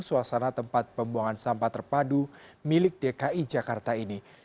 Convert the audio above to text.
suasana tempat pembuangan sampah terpadu milik dki jakarta ini